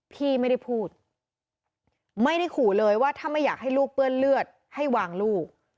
พี่ไม่ได้พูดไม่ได้ขู่เลยว่าถ้าไม่อยากให้ลูกเปื้อนเลือดให้วางลูก